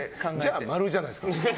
じゃあ○じゃないですか！